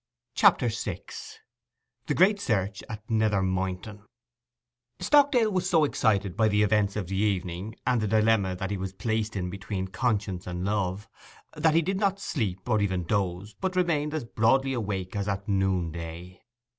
CHAPTER VI—THE GREAT SEARCH AT NETHER MOYNTON Stockdale was so excited by the events of the evening, and the dilemma that he was placed in between conscience and love, that he did not sleep, or even doze, but remained as broadly awake as at noonday.